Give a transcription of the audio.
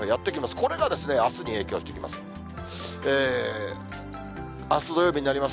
これがあすに影響してきます。